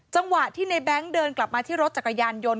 จังหวะที่ในแบงค์เดินกลับมาที่รถจักรยานยนต์